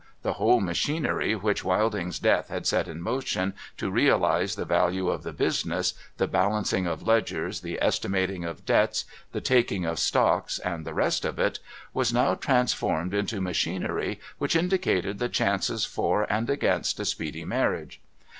The whole machinery which Wilding's death had set in motion, to realise the value of the business — the balancing of ledgers, the estimating of debts, the taking of stock, and the rest of it — was now transformed into machinery which indicated the chances for and against a speedy marriage.